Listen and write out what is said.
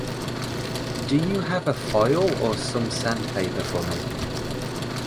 Do you have a file or some sandpaper for me?